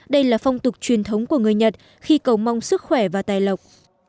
đây là phong tục truyền thống của người nhật khi cầu mong sức khỏe và tài lộc